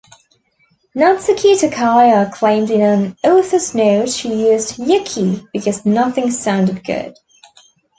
Natsuki Takaya claimed in an author's note she used "Yuki" because "nothing sounded good.